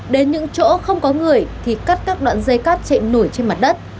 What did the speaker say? đến những chỗ không có người thì cắt các đoạn dây cát chạy nổi trên mặt đất